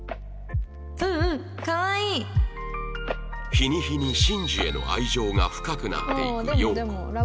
日に日に慎二への愛情が深くなっていく洋子